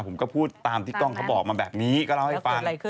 ผมก็พูดตามที่กล้องเขาบอกมาแบบนี้ก็เล่าให้ฟัง